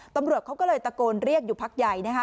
ตำรวจเขาก็เลยตะโกนเรียกอยู่พักใหญ่นะคะ